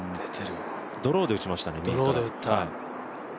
ドローで打ちましたね。